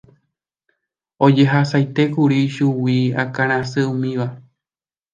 Ojehasaitékuri chugui akãrasy umíva.